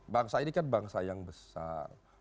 bangsa ini kan bangsa yang besar